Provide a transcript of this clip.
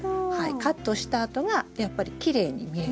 カットしたあとがやっぱりきれいに見える。